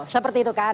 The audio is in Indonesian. seperti itu kan